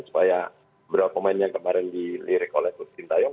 supaya beberapa pemain yang kemarin di lirik oleh coach sinteyong